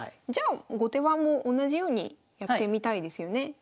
じゃあ後手番も同じようにやってみたいですよね。